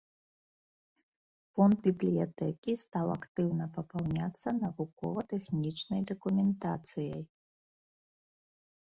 Фонд бібліятэкі стаў актыўна папаўняцца навукова-тэхнічнай дакументацыяй.